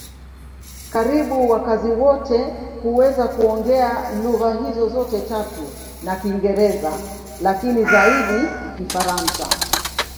Karibu wakazi wote huweza kuongea lugha hizo zote tatu na Kiingereza, lakini zaidi Kifaransa.